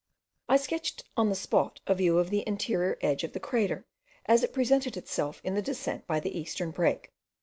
I sketched on the spot a view of the interior edge of the crater, as it presented itself in the descent by the eastern break.